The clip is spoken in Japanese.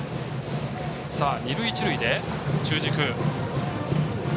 二塁一塁で中軸。